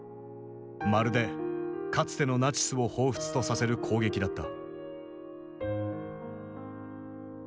まるでかつてのナチスを彷彿とさせる攻撃だった。